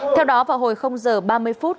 theo đó vào hồi giờ ba mươi phút